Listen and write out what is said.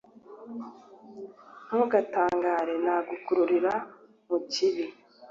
ntugatangare nagukururira mu kibi.